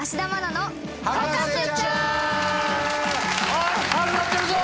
おーい始まってるぞ！